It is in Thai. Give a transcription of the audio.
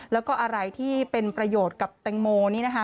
แล้วก็อะไรที่เป็นประโยชน์กับแตงโมนี่นะคะ